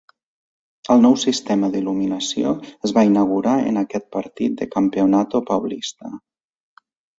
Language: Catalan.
El nou sistema d'il·luminació es va inaugurar en aquest partit de Campeonato Paulista.